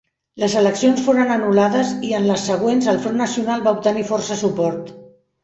Les eleccions foren anul·lades i en les següents el Front Nacional va obtenir força suport.